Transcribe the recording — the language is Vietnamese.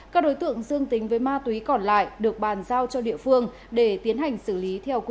các đối tượng dương tính với ma túy còn lại được bàn giao cho địa phương để tiến hành xử lý theo quy định